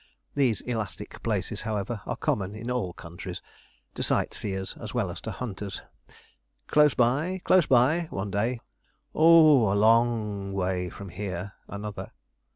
These elastic places, however, are common in all countries to sight seers as well as to hunters. 'Close by close by,' one day. 'Oh! a lo o ng way from here,' another.